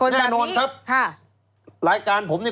แน่นอนครับคนแบบนี้